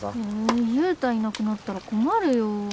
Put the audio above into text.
ん悠太いなくなったら困るよ。